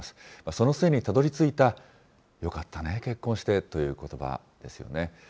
その末にたどりついた、よかったね、結婚してということばですよね。